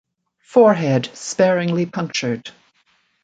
Forehead sparingly punctured.